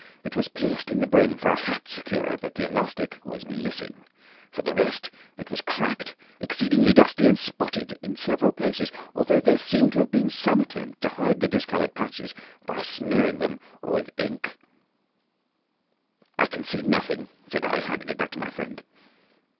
It was pierced in the brim for a hat securer, but the elastic was missing. For the rest, it was cracked, exceedingly dusty, and spotted in several places, although there seemed to have been some attempt to hide the discoloured patches by smearing them with ink. "I can see nothing," said I, handing it back to my friend.